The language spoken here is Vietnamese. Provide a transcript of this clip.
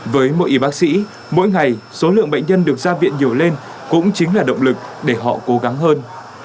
với mỗi y bác sĩ mỗi ngày số lượng bệnh nhân được ra viện nhiều lên cũng chính là động lực để họ cố gắng hơn